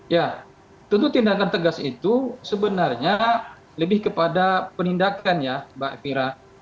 ya tentu tindakan tegas itu sebenarnya lebih kepada penindakan ya mbak evira